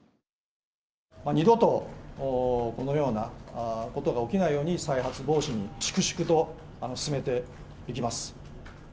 二度とこのようなことが起きないように、再発防止に粛々と進めていきます。